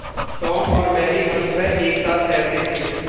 Tom और Mary हर सुबह एक-साथ तैरते थे।